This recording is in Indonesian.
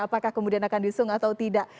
apakah kemudian akan disung atau tidak